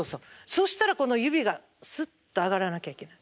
そしたらこの指がスッと上がらなきゃいけない。